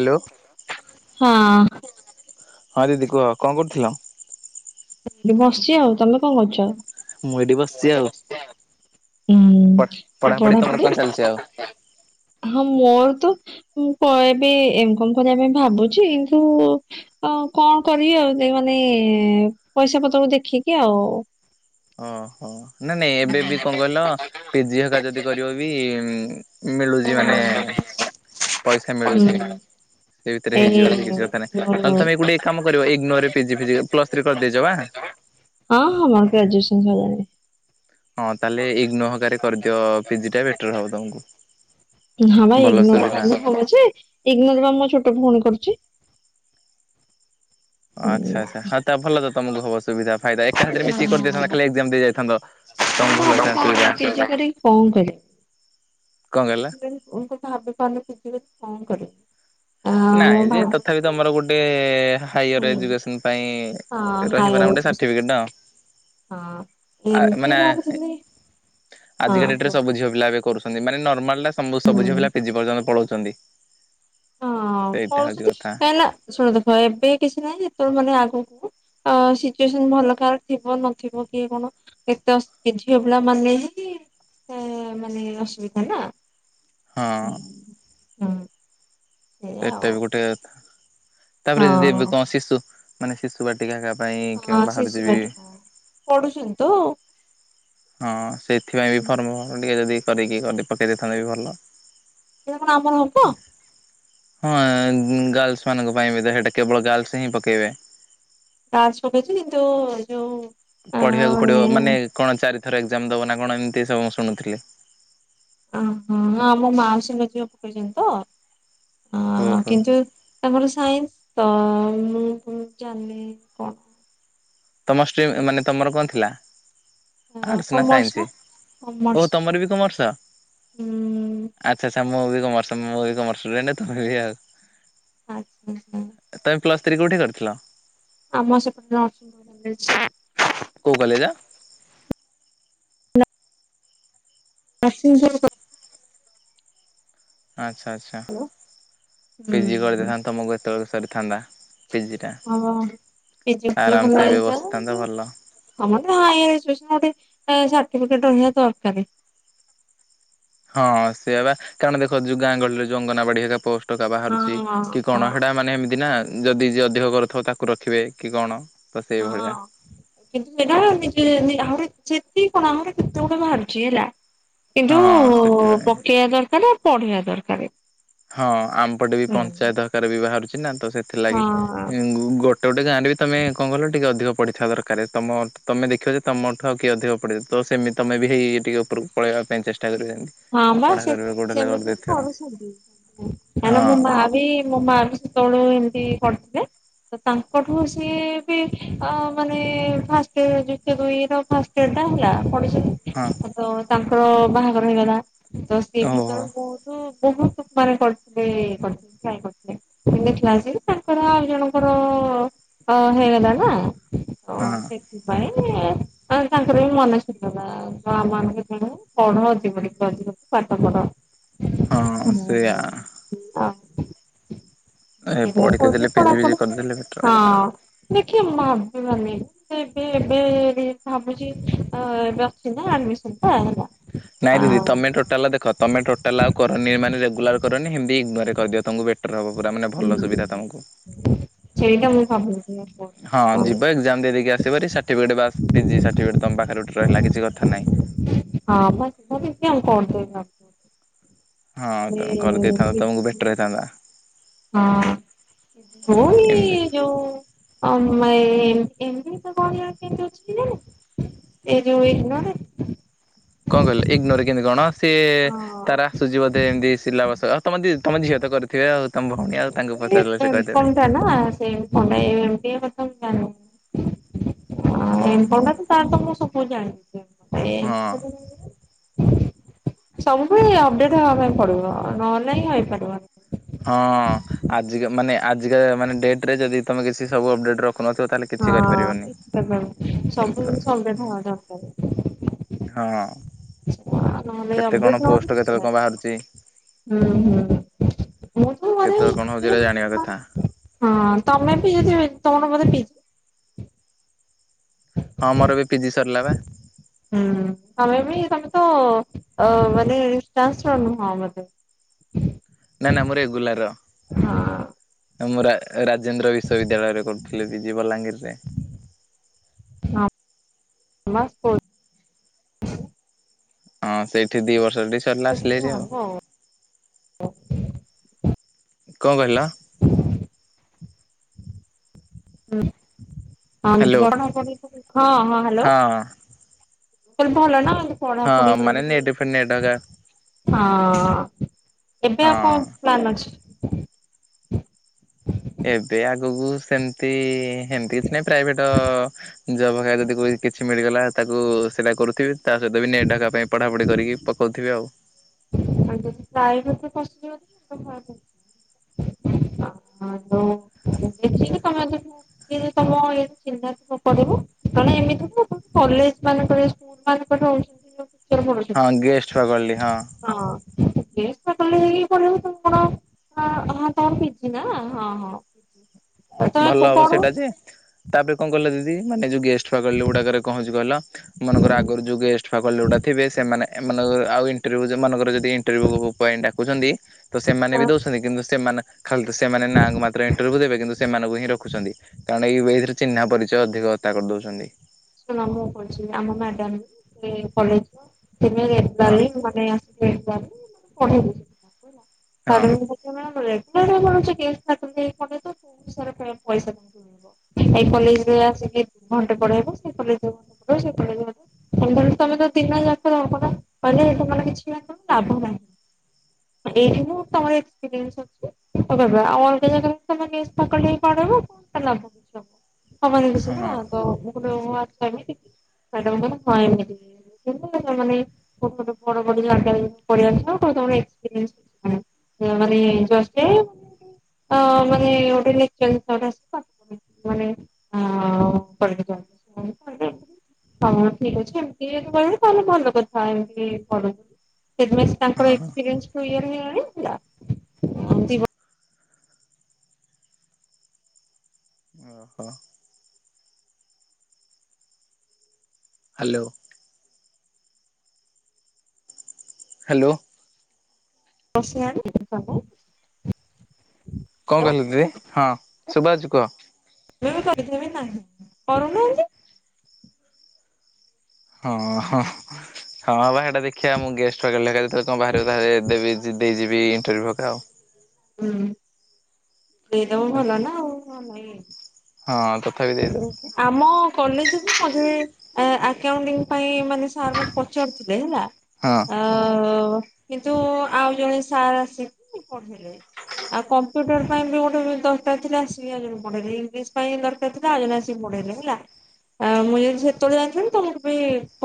Hello. ହଁ । ହଁ ଦିଦି କୁହ କ ଣ କରୁଥିଲ? ଏଠି ବସିଚି ଆଉ ତମେ କଣ କରୁଛ? ମୁଁ ଏଠି ବସିଛି ଆଉ ତମର ପଢାପଢି କଣ ଚାଲିଛି ଆଉ? ହଁ ମୋର ତ ମୁଁ କ ଏବେ ଏମକମ କରିବା ପାଇଁ ଭାବୁଛି କିନ୍ତୁ କଣ କରିବି ଆଉ ସେ ମାନେ ପଇସା ପତ୍ରକୁ ଦେଖିକି ଆଉ ଓହୋ ନାଇ ନାଇଁ ଏବେ ବି କଣ କହିଲ ପିଜି ହକା ଯଦି କରିବ ବି ମିଳୁଛି ମାନେ ପଇସା ହୁଁ ମିଳୁଛି ସେ ଭିତରେ ଏଇ ହେଇଯିବ କିଛି କଥା ନାହିଁ ହଁ ନହଲେ ତମେ ଗୋଟେ କାମ କରିବ ଇଗନୋରେ ପିଜି ଫିଜ ପ୍ଲସଥ୍ରୀ କରିଦେଇଛ ବା? ଲାରେ [inaudible] ହ [unintelligible] ହଁ ତାହେଲେ ଇଗ୍ନୋ ହକାରେ କରିଦିଅ ପିଜି ଟା ବେଟର ହବ ତମକୁ ହଁ ଭାଇ ଭଲ ଇଗ୍ନୋର ସୁବିଧା। କଣ ଅ ଇଗ୍ନୋର ବା ମୁଁ ଛୋଟ ଫୋନ୍ କରୁଛି ମୁଁ ଆଚ୍ଛା ଆଛା ହଁ ତା ଭଲ ତମକୁ ହବ ସୁବିଧା ଫାଇଦା ଏକା ସାଥିରେ ଭାବୁଛି ମିଶିକି କରିଦେଇଥାନ୍ତ, ଖାଲି ଏଗଜାମ ଦେଇଯାଇଥାନ୍ତ। [inaudible] କଣ କଲି? କଣ କହିଲ? [inaudible] ଡେଣ୍ଟ ମୁଁତ ଭାବିପାରୁନି କଣ କରିବି। ଆ ମୁଁ ନାଇଁ ଯେ, ଭାବୁଛି ତଥାପି ତମର ଗୋଟେ ହୁଁ। ହାଇଅର ଏଜୁକେସନ ପାଇଁ [inaudible] ହଁ ରହିବ ନା ଗୋଟେ [inaudible] ସାର୍ଟିଫିକେଟ ନା ହଁ ଆ ଏମତି ମାନେ, ଭାବୁଥିଲି ହଁ ଆଜିକା ଡେଟ ରେ କୁହ। ସବୁ ଝିଅ ପିଲା ଏବେ କରୁଛ ମାନେ ମାନେ ନରମାଲ ଟା ସବ ହୁଁ। ସବୁ ଝିଅ ପିଲା ପି ଜି ପର୍ଯ୍ୟନ୍ତ ପଳଉ ଛନ୍ତି, ହଁ [unintelligible] [unintelligible] ନା ଶୁଣ ଦେଖ, ଏବେ କିଛି ନାହିଁ ଯେ ଯେତେବେଳେ ମାନେ ଆଗକୁ ଅ ସିଚୁଏସନ ଭଲ କାର ଥିବ ନଥିବ, କିଏ କଣ ଏତେ [unintelligible] ଝିଅ ପିଲା ମାନେ ହିଁ ମାନେ ଅସୁବିଧା ନା । ହଁ । ହୁଁ। ସେଇଆ ଆଉ ଏଟା ବି ଗୁଟେ କଥା। ହଁ ତାପରେ ଯଦି, ଏବେ କଣ ଶିଶୁ । ମାନେ ଶିଶୁ ବାଟିକା। [unintelligible] ହଁ କେଉଁ ବାହାରୁଛି ଶିଶୁ ବି ବାଟିକା ପଢୁଛନ୍ତି ତ ଆଉ ହଁ ସେଥିପାଇଁ ବି ଫର୍ମ ହଁ ଟିକେ ଯଦି କରିକି ଗଲେ, ପକେଇ ଦେଇେଇଥାନ୍ତେ ବି ଭଲ । ସେ କଣ ଆମର ହବ? ହଁ ଗାର୍ଲସ ମାନଙ୍କ ପାଇଁ ବି, ହେଇଟା କେବଳ ଗାର୍ଲସ ହିଁ ପକେଇବେ । ଟାକ୍ସ ପକେଇଛି କିନ୍ତୁ ଯୋଉ ପଢିବାକୁ ପଡିବ ମାନେ କଣ ଚାରି ଏକ୍ଜାାମ ଦେବ ନା କଣ, ଏମିତି ସବୁ ମୁଁ ଶୁଣୁଥିଲି । ଓ ହୋ ହଁ ଆମ ମାଉସୀ ଙ୍କ ଝିଅ ପକେଇଛନ୍ତି ତ, ଅ ଓହୋ କିନ୍ତୁ ତାଙ୍କର ସାଇନ୍ସ ତ, ହୁଁ ହୁଁ ଜାଣିନି କଣ? ତମ ଷ୍ଟ୍ରିମ୍ ମାନେ ତମର କଣ ଥିଲା? ଆର୍ଟ୍ସ ନା କମର୍ସ ସାଇନ୍ସି? ବା ଓ କମର୍ସ ତମର ବି କମର୍ସ ହୁଁ ଆଚ୍ଛା । ମୁଁ ବି କମର୍ସ ମୁଁ ବି କମର୍ସେ ଷ୍ଟୁଡେଣ୍ଟ ତମେ ବି ଆଉ । ଆଛା ଆଛା । ପ୍ଲସ୍ ଥ୍ରୀ କୋଉଠି କରିଥିଲ । ଆମ ସେପଟେ [unintelligible] କଉ କଲେଜ । ନରସିଂହପୂର୍ କଲେଜ । ଆଚ୍ଛା ଆଚ୍ଛା । ପିଜି ହୁଁ କରିଦେଇଥାନ୍ତ ତମକୁ । ଏତେବେଳକୁ ସରି ଥାଆନ୍ତା । ହିଁ ପିଜି କରିଥିଲେ ଭଲ ଆରାମସେ ଏବେ ହାଇଥନା ବସିଥାନ୍ତ କିନ୍ତୁ ଭଲ। ସମତେ ହାଇୟର ଏଡୁକେସନ । [unintelligible] ଏ ସର୍ଟିଫିକେଟ ରହିଆ ଦରକାରରେ । ହଁ ସେୟା ବା କାରଣ ଦେଖ ଯଉ ଗାଁ ଗଳିରେ ଜଙ୍ଗନାବାଡି ହେକା ପୋଷ୍ଟ । ଟା ହଁ ବାହାରୁଛି ହଁ କି କଣ ହେଡା ମାନେ ଏମିତି ନା । ଯଦି ଯିଏ ଅଧିକ କରିଥିବେ ତାକୁ ରଖିବେ କି କଣ । ହଁ କିନ୍ତୁ ସେଟା ନିଜେ ଆହୁରି । ସେତିକି କଣ ଆହୁରି କେତେ ଗୁଡେ ବାହାରୁଛି ହେଲା । କିନ୍ତୁ ହଁ ସେଥିପାଇଁ ପକେଇବା ଦରକାର । ପଢିବା ଦରକାର । ହଁ ଆମପଟେ ବି ପଞ୍ଚାୟତ ଆଲ୍ଧ୍କାର ବି ବାହାରୁଛି । ଚି ନା । ତ ସେଥିଲାଗିଁ ହଁ ଗୋଟେ ଗୋଟେ ଗାଁରେ ବି ତମେ କଣ କ ହିଲ ଟିକେ ଅଧିକ । ପଢି ଥିବା ଦରକାର ତମ ତୁମେ ଦେଖିବ ଯେ ତମଠୁ ଆଉ କିଏ ଅଧିକ ପଢ଼ିବ ତ ସେମତି ତମେ ବି ହେଇ ଟିକେ ଉପରକୁ ପଳେଇବା ପାଇଁ ଚେଷ୍ଟା । ହଁ ବା ସେ ସେମିତି କରିଦେଇଥିବ କରୁଛନ୍ତି । ହଁ ହେଲେ ମୋ ମା ବି ମୋ ମା ବି ସେ ତେ ବେଳେ। ବେଳେ ଏମତି ପଢି ଥିଲେ ତ ତାଙ୍କଠୁ ସେ ବି ଆ ମାନେ ମା ଫାଷ୍ଟ ୟ ର ଯୁକ୍ତ ଦୁଇ ଫାଷ୍ଟ ଇଅର୍ ଟା ପଡ଼ି । ହଁ । ତାଙ୍କର ବାହାଘର ହେଇଗଲା । ତ ସେ ବି ସେତେ ଓହୋ ବେଳେ ବହୁତ । ବ ବହୁତ ମାନେ ପଢ଼ି ଥିଲେ ଇଏ କରିଥିଲେ ଟ୍ରାଏ କରିଥିଲେ ତାଙ୍କ ଆଉ ଜଣଙ୍କର ହେଇଗଲା ନା । ହ ହଁ ସେଥିପାଇଁ । ଆଉ ତାଙ୍କର ବି ମନ ଶଧ ନା ବା ମାନଙ୍କ କଣ କଣ ଅଛି ବୋଲି [unintelligible] ଅଧିକ ପାଠ ପଢ଼ । ହଁ ସେଆ। [inaudible] ପିଜି ଫିଜି ହଁ କରିଦେଲେ ବେଟର। ଦେଖି ମା [unintelligible] ଏବେ ଏବେ ଭାବୁଛି ଅଁ ଏବେ ଅଛି ନା ଆଡମିସନଟା ହେଲା ନାଇଁ ଦିଦି ଆଉ ତମେ ଟୋଟାଲ ଦେଖ ତମେ ଟୋଟାଲ ଆଉ କରନି ଏମାନେ ରେଗୁଲାର କରନି [unintelligible] [unintelligible] ଘରେ କହିଦିଅ ତମକୁ ବେଟ୍ ର ହବ ପୁରା ମାନେ ଭଲ ହୁଁ ସୁବିଧା ତମକୁ। ସେଇଟା ମୁଁ [unintelligible] ହଁ ଯିବା ଏକ୍ସାମ୍ ଦେଇଦେଇକି ଆସିବହାରି ସାର୍ଟିଫିକେଟ୍ ବା ପିଜି ସାର୍ଟିଫିକେଟ୍ ତମ ପାଖରେ ଗୋଟେ ରହିଲା କିଛି କଥା ନାଇଁ ହଁ। [unintelligible] ହଁ ତମେ କରିଦେଇଥାନ୍ତ ତମକୁ ବେଟର୍ ହେଇଥାନ୍ତା। ହଁ ହୋ ଏମିତି ଏଇ ଯୋଉ [unintelligible] ଏଇ ଯୋଉ ଇଗ୍ନୋରେ? କଣ କହିଲେ ଇଗ୍ନୋରେ କେମିତି କଣ ସିଏ ହଁ ତାର ଆସୁଛି ବୋଧେ ଏମିତି ସିଲାବସ ତମ ଦି ତମ ଝିଅ ତ କରିଥିବେ ଆଉ ତମ ଭ [unintelligible] [unintelligible] [unintelligible] ତାର ତ ମୁଁ ସବୁ ଓହୋ ଜାଣିଚି। [unintelligible] ସବୁବେଳେ ହଁ ଅପଡେଟ୍ ହବା ପାଇଁ ପଡିବ ନହେଲେ ନାହିଁ ହେଇପାରିବନି। ହଁ ଆଜିକା ମାନେ ଆଜିକା ମାନେ ଡେଟରେ ଯଦି ତମେ କିଛି ସବୁ ଅପଡେଟର ହଁ କିଛି କରିପାରିବନି ସବୁ [unintelligible] ଅପଡେଟ ହବା ଦରକାରେ। ହଁ [unintelligible] ଅଁ ନହେଲେ କେତେ କଣ ଅପଡେ଼ଟ୍ ପୋଷ୍ଟ ନହେଲେ କେତେବେଳେ କଣ ବାହାରୁଛି। କିଛିନାହିଁ। ହୁଁ ହୁଁ ମୁତ ମାନେ କେତେବେଳେ କଣ ହଉଛି ଏଟା ଜାଣିବା କଥା [unintelligible] ହଁ ତମେ ବି ଯଦି ତମର ବୋଧେ ପିଜି [unintelligible] ହଁ ମୋର ବି ପିଜି ସରିଲା ବା। ହୁଁ ତମେ ବି ତମେ ତ ଅଁ ମାନେ [unintelligible] ନୁହଁ ବୋଧେ? ନା ନା ମୁଁ ରେଗୁଲାର। ହଁ। ମୁଁ ରା-ରାଜେନ୍ଦ୍ର ବିଶ୍ ଶ୍ୱବିଦ୍ୟାଳୟରେ କରୁଥିଲେ ପିଜି ବଲାଙ୍ଗିରରେ [unintelligible] ହଁ ସେଇଠି ଦି ବର୍ଷ ଜଲଦି ସରିଲା ଆସିଲି ତ ହେରି ଆଉ ହବ କଣ କହିଲ। ହୁଁ। [unintelligible] ହଁ ହ୍ୟାଲୋ ହ୍ୟାଲୋ ହଁ [unintelligible] ଭଲ ନା ହଁ ପଢାପଢି ମାନେ ନେଟ ଫେଟ ନେଟ ହକା [unintelligible] ହଁ ଏବେ ହଁ ଆଉ କଣ ପ୍ଳାନ ଅଛି। [unintelligible] ଏବେ ଆଗକୁ ସେମତି ସେମିତି କିଛି ନାହିଁ ପ୍ରାଇଭେଟ ଜବ ବଗେରା ଯଦି କିଛି ମିଳିଗଲା ତାକୁ ସେଇଟା କରୁଥିବି। ତା ସହିତ ବି ନେଟ ଏକା ପାଇଁ ପଢାପଢି କରିକି ପକଉଥିବି ଆଉ। ଯଦି ପ୍ରାଇଭେଟରେ କରିଥିବ ଆ ଦେଖିକି ତମେ ଯଦି ତମ ଇଏରେ ଚିହ୍ନା ଥିବ କରିବା ନହେଲେ ଏମିତି କଲେଜ ମାନଙ୍କରେ ସ୍କୁଲ ମାନଙ୍କରେ ଟିଚର ପଢଉଛନ୍ତି ହଁ ଗେଷ୍ଟ ଫାକଲ୍ଟି ହଁ। ଗେଷ୍ଟ ଫାକଲ୍ଟି ହେଇଗଲେ ପଢେଇବାକୁ ତମେ କଣ ହଁ ତମର ପିଜି ନା ହଁ ହଁ। ତମେ ଭଲ ହବ ପଢ ସେଇଟା ଯେ ତାପରେ କଣ କହିଲ ଦି ଦି ମାନେ ଯଉ ଗେସ ଫାକଲ୍ଟି ଗୁଡାକରେ କଣ ହେଇଚି କହିଲ ମନକର ଆଗରୁ ଯଉ ଗେଷ୍ଟ ଫାକଲ୍ଟି ଗୁଡା ଥିବେ ସେମାନେ ଏମାନେ ଆଉ ଇଣ୍ଟରଭିୟୁ ମନେକର ଯ ଯଦି ଇଣ୍ଟରଭିୟୁ ପାଇଁ ଡାକୁଛନ୍ତି ତ ସେମାନେ ବି ଦଉଛନ୍ତି କିନ୍ତୁ ସେମାନେ ଖାଲି ଟା ସେମାନେ ନା କୁ ମାତ୍ର ଇଣ୍ଟରଭିୟୁ ଦେବେ କିନ୍ତୁ ଇଁ ରଖୁଛନ୍ତି କାର ନାଇ ବି ଏଇଥିରେ ଚିହ୍ନା ପରିଚୟ ଅଧିକତା କରିଦଉଛନ୍ତି। ଶୁଣ ମୁଁ କହୁଚି ଆମ ମ୍ୟାଡାମ କଲେଜର [unintelligible] ହଁ ମାନେ ଆସିକି ଏଠି ଗଲି। ପଢେଇ ହଁ ଦେଇଚି। ସା। [unintelligible] ମିଳୁଚି [inaudible] ସାରା ପଇସା ମିଳିବ କଲେରେ ଆସି ଦ ଘଣ୍ଟେ ପଢେଇବ। କଲେଜ ରେ ପଢ଼ିବ ସେଇ କଲେଜ ରେତମେ ତ ଦିନ ଯାକ ରହିବ ନା କହିଲେ ତମ ମାନ କିଛି ଲାଭ ନାହିଁ ଏଇଠି ମୁଁ ତମର [unintelligible] ଅ ଆଉ ଅଲଗା ଜାଗରେ ତମେ ଗେଷ୍ଟ ଫାକଲ୍ଟି କଣ ରହିବ କଣ ଟା ଲାଭ କିଛି ହବ। ହବନି ହଁ କିଛି ନା ତ ମୁଁ କହୁ ଓ ହୋ ଆଚ୍ଛା ଏମିତି କି ମ୍ୟାଡ଼ାମ ଙ୍କ ର କୁହା ହେଇନି [inaudible] ମୁଁ କହିଲି ମାନେ [inaudible] ପଢ଼ି ଆସିବ ପୁଣି ତମର ଏକ୍ସ୍ପେରିଏନ୍ସ କିଛି ନାହିଁ ତ ମାନେ ଗୋଟେ ଲେକ୍ଚର୍ ଶିପ ଟା ଗୋଟେ ଆସିକି ପାଠ ମାନେ ଅ ପଢେଇକି ଯାଆନ୍ତି। [unintelligible] ହଉ ଠିକ ଅଛି ଏମିତି କହିବ ତାହଲେ ଭଲ କଥା ଏମତି ପଢ଼ିଲେ। ସେଥିପାଇଁ ତାଙ୍କର ହଁ। ଏକ୍ସ୍ପେରିଏନ୍ସ କୁ ଇଏ ରେ କରିଥିଲ ଅ ଏମତି ଗୋ ଓହୋ। ହାଲୋ। ହାଲୋ। ରସି ଆଣି। [inaudible] କଣ କହିଲ ଦିଦି ହଁ ଶୁଭା ହଉଚି କୁହ। ମୁଁ ବି କରିଥିମି ବି ନାହି କରୁନାହାନ୍ତି। ହଁ ହଁ ହଁ ବା ଏ ଦେଖିବା ମୁଁ ଗେଷ୍ଟ ଫାକଲ୍ଟି ଏକା ଯେତେବେଳେ କଣ ବାହାରିବ ଦେବି ଏ ଦେଇଯିବି। ବି ଇଣ୍ଟରଭି୍ୟୁ ହରିକା ଆଉ। ହୁଁ। ଦେଇ ଦବ ଭଲା ନା ଆଉ କଣ ନାଇ। ହଁ ତଥାପି ଦେଇଦବୁ ଆମ କଲେଜକୁ? ମତେ ଆକାଉନ୍ତିଂ ପାଇଁ ମାନେ ସାର୍ ମତେ ପଚାରୁଥିଲେ ହଁ ଓ। କିନ୍ତୁ ଆଉ ଜଣେ ସାର୍ ଆସିକି ପଢିଲେ। ଆଉ କମ୍ପ୍ୟୁଟର ପାଇଁ ବି ଗୋଟେ ଦରକାର ଥିଲା ଆସି ଆ ପଢେଇଲି ଇଂଲିଶ ପାଇଁ ଦରକାର ଥିଲା ଆ ଆସିକି ପଢେଇଲେ ହେଲା ଆ ମୁଁ ଯଦି ସେତେବେଳେ ଯାଇଥିଲି ତମକୁ ବି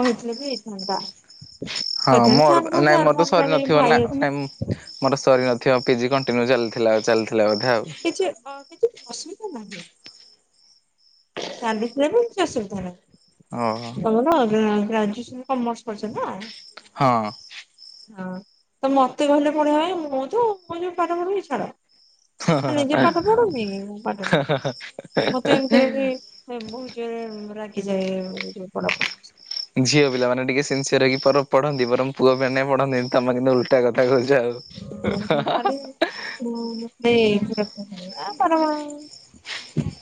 କହିଥିଲି ଯେ ହେଇଥାନ୍ତା ହଁ କହିଥାନ୍ତି ମୋର ସାର୍ କଣ ନାଇଁ ସାର୍ ମୋର ତ ସରି ଜଣେ ନଥିବ ନାଁ ଭାଇ ଅଛି ମୋର ସରି ନିବ ପିଜି କଣ୍ଟିନ୍ୟୁ ଚାଲିଥିଲାଉ ଚାଲି କିଛି ଅ କିଛି ଅସୁବିଧା ନାହିଁ। ଚାଲିଥିଲେ ବି କିଛି ଅସୁବିଧା ଓହୋ ନାହିଁ। ତମର ଆ ଗ୍ରାଜୁଏସନ୍ କମର୍ସ ପଡିଚ ନା। ହଁ। ହଁ ତ ମତେ କହିଲେ ପଢେଇଆ ହ ମୁଁ ତୁ ମୁଁ ଯ ପାଠ ପଢୁି ଛାଡ। ନିଜେ ପାଠ ପଢୁନି ମୁଁ ପାଠ ପଢୁି ମତେ ଏମିତିରେ ବହୁତ ଜୋରେ ରାଗିଯାଏ ଯୋଉ ପଡାପ ଝିଅ ପିଲାମାନେ ଟିକେ ସନ୍ସିୟର ହେକି ପଢନ୍ତି ବରମ ପୁଅ ପିଲ ପଢନ୍ତି ତମେ କିନ୍ତୁ ଉଲଟା କଥା କହୁଛି। [unintelligible]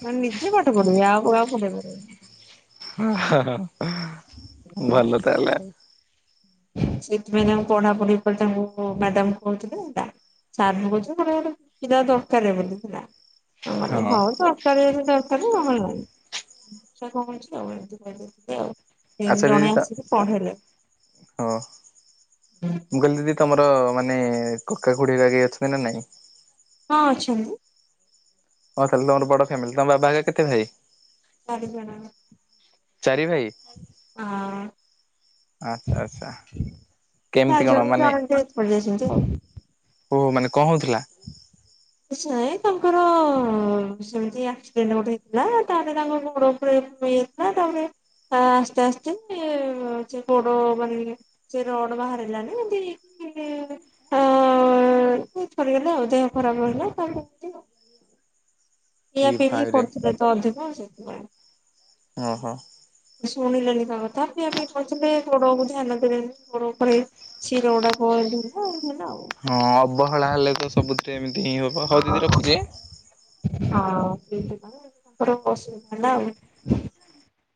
ପା ନିଜେ ପାଠ ପଢିବି ଆଉ ଆଉ ପଡିବରେ। ଭଲ ତାହଲେ। ସେଥିପାଇଁ ତା ପଢାପଢି ପରେ ତାଙ୍କୁ ମ୍ୟାଡାମ କ କହୁଥିଲେ ହେଲା ସାର୍ କହୁ ଗ ପିଲା ଦରକାର ବୋଲିଥିଲା। ଆଉ ଓ ହଁ ହଉ ତକାର ଜେତି କମଲ ନାହିଁ କମଛି ଆଉମ ପଇ ଆଉ। ଆଚ୍ଛା ତିନି ଦିଦି ଜଣେ ତ ଆସିକି ପଢେଇଲେ। ହଁ। ମୁ କଇଲି ଦିଦି ତମର ମାନେ କକାକୁୁଡେଇ ଆଗେଇ ଅଛନ୍ତି ନା ନାଇଁ? ହଁ ଅଛଛନ୍ତି। ହଁ ତାହଲେ ତମର ବଡ ଫ୍ୟାମିଲି ତମ ବାବା କେତେ ଭାଇ? ଚାରି ଜଣ। ଚାରି ଭାଇ ଆଚ୍ଛା ହଁ ଆଚ୍ଛା। କେମିତି କଣ ଚାରି ମାନେ ଜଣନ୍ତି [unintelligible] ଓ ମାନେ କଣ ହଉଥିଲା? କି ନଁ ତାଙ୍କର ସେମିତି ଆକ୍ସିଡେଣ୍ଟ ଗୋଟେ ହେଇଥିଲା ତାପରେ ତାଙ୍କ ଗୋଡ ଉପରେ ହେଇଯାଇଥିଲା ତାପରେ ଆସ୍ତେ ଆସ୍ତେ ସେ ଗୋଡ ମାନେ ସେ ରଡ ବାହାରିଲାନି ଏତି ହେଇକିଥରିଗଲେ ଆଉ ଦେହ ଖରାପ ହେଇ [unintelligible] ପିଇବା ଏ ପିଇବି ଭାଇରେ କରୁଥିଲେ ତ ଅଧିକ ହ। ଓ ହୋ। ସୋଣି ଲେଣି ତା ତାି ଆମେ ପଞ୍ଚିଲ [unintelligible] ଗଡକୁ ଧ୍ୟାନ ଦ ଘୋଡ ଉପରେ ଶିର ଗୁଡାକୁ [unintelligible] ହଁ ଅବହେଳା ହେଲେ ତ ସବୁଥିରେ ଏମିତି ହିଁ ହବ ହଉ ଦିଦି ରଖୁଛି। ହଁ ସେ ତାଙ୍କର ଅସୁବିଧା ହେଲା ଆଉ।